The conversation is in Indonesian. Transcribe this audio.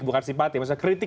bukan simpati maksudnya kritik